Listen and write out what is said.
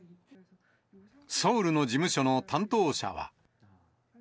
ソウルの事務所の担当者は。